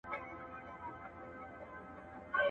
هومره ډار نه وي د دښت له لړمانو ..